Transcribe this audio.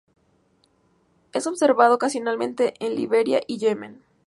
Es observado ocasionalmente en Liberia y Yemen.